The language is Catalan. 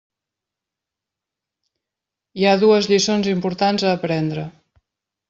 Hi ha dues lliçons importants a aprendre.